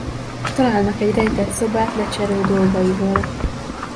Találnak egy rejtett szobát Lechero dolgaival.